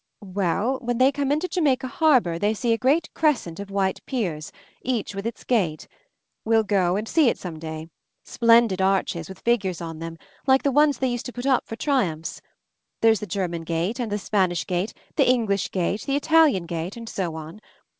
"When they come into Jamaica Harbor they see a great crescent of white piers, each with its gate. We'll go and see it some day — splendid arches with figures on them, like the ones they used to put up for Triumphs. There's the German Gate and the Spanish Gate, the English Gate, the Italian Gate — and so on.